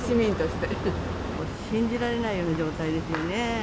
信じられないような状態ですよね。